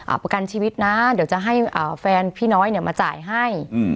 ประกันชีวิตนะเดี๋ยวจะให้อ่าแฟนพี่น้อยเนี่ยมาจ่ายให้อืม